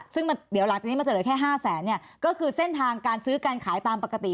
ซึ่งเดี๋ยวหลังจากนี้มันจะเหลือแค่๕แสนเนี่ยก็คือเส้นทางการซื้อการขายตามปกติ